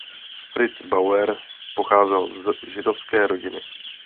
Fritz Bauer pocházel z židovské rodiny.